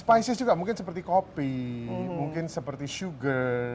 spices juga mungkin seperti kopi mungkin seperti sugar